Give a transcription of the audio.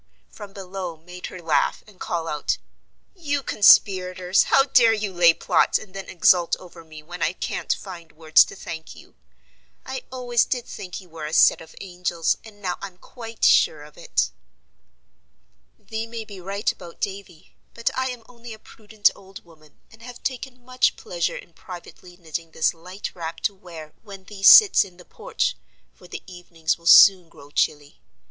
from below made her laugh, and call out: "You conspirators! how dare you lay plots, and then exult over me when I can't find words to thank you? I always did think you were a set of angels, and now I'm quite sure of it." "Thee may be right about Davy, but I am only a prudent old woman, and have taken much pleasure in privately knitting this light wrap to wear when thee sits in the porch, for the evenings will soon grow chilly.